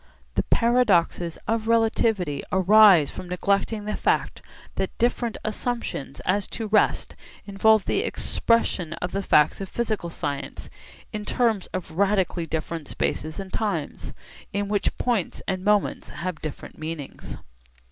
The paradoxes of relativity arise from neglecting the fact that different assumptions as to rest involve the expression of the facts of physical science in terms of radically different spaces and times, in which points and moments have different meanings.